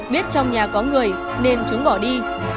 biết trong nhà có người nên chúng bỏ đi